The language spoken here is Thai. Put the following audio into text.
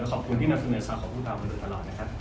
แล้วขอบคุณที่มาเสนอชาวของพวกเราไปตลอดนะครับ